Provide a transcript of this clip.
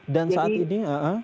dan saat ini